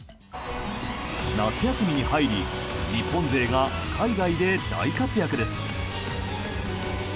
夏休みに入り日本勢が海外で大活躍です。